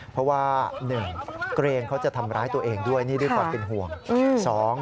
เพราะว่า๑เกรงเขาจะทำร้ายตัวเองด้วยนี่ด้วยความเป็นห่วง